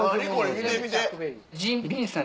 見て見て。